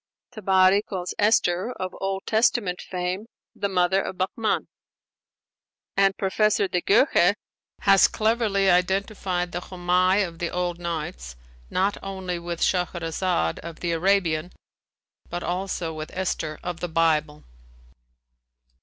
Tabari calls Esther, of Old Testament fame, the mother of Bahman; and Professor de Goeje (de Gids, 1886, iii. 385) has cleverly identified the Homai of the old 'Nights,' not only with Shahrazaad of the Arabian, but also with Esther of the Bible.